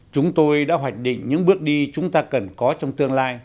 chúng tôi đã hoạch định những bước đi chúng ta cần có trong tương lai